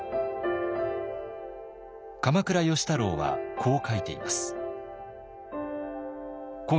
鎌倉芳太郎はこう書いています。